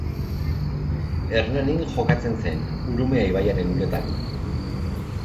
Hernanin jokatzen zen, Urumea ibaiaren uretan.